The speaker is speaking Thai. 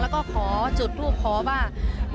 แล้วก็ขอจุดทูปขอว่า